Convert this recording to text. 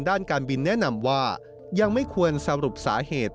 ด้านการบินแนะนำว่ายังไม่ควรสรุปสาเหตุ